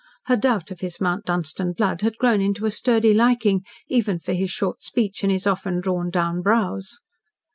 Her doubt of his Mount Dunstan blood had grown into a sturdy liking even for his short speech and his often drawn down brows.